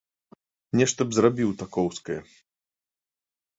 Нешта б зрабіў такоўскае.